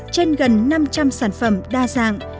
trên gần năm trăm linh sản phẩm đa dạng